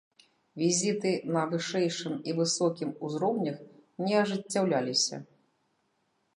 Візіты на вышэйшым і высокім узроўнях не ажыццяўляліся.